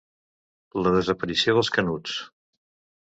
La desaparició dels Canuts.